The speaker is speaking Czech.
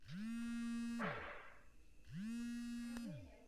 Mandát krajského zastupitele tak neobhájil.